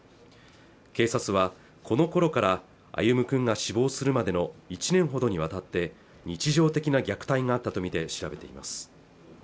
警察はこのころから歩夢君が死亡するまでの１年程にわたって日常的な虐待があったとみて調べています